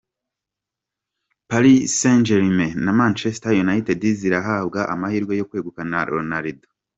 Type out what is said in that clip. Paris saint-Germain na Manchester United zirahabwa amahirwe yo kwegukana Ronaldo.